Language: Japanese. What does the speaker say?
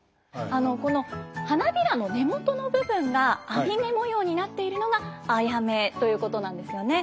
この花びらの根元の部分が網目模様になっているのがアヤメということなんですよね。